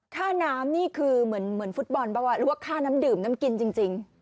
ค่าน้ำนี่คือเหมือนฟุตบอลเปล่าหรือว่าค่าน้ำดื่มน้ำกินจริง